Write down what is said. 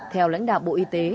theo lãnh đạo bộ y tế